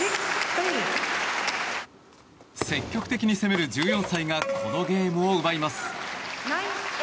積極的に攻める１４歳がこのゲームを奪います。